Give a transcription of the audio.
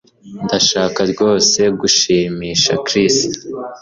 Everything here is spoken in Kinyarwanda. Ndashaka rwose gushimisha Chris